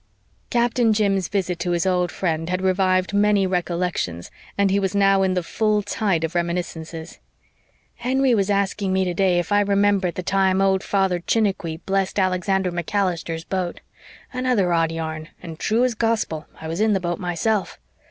Captain Jim's visit to his old friend had revived many recollections and he was now in the full tide of reminiscences. "Henry was asking me today if I remembered the time old Father Chiniquy blessed Alexander MacAllister's boat. Another odd yarn and true as gospel. I was in the boat myself.